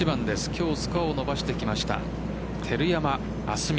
今日スコアを伸ばしてきました照山亜寿美。